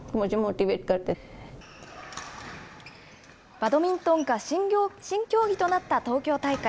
バドミントンが新競技となった東京大会。